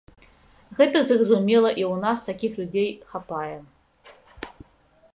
Гэта зразумела і ў нас такіх людзей хапае.